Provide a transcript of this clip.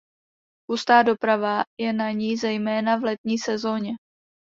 Hustá doprava je na ní zejména v letní sezoně.